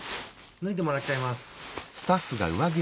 脱いでもらっちゃいます。